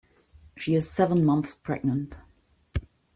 She is seven months pregnant.